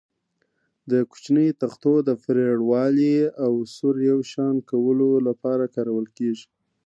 د کوچنیو تختو د پرېړوالي او سور یو شان کولو لپاره کارول کېږي.